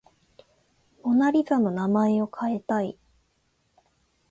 モナ・リザの名前を変えたい